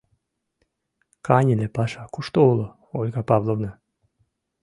— Каньыле паша кушто уло, Ольга Павловна?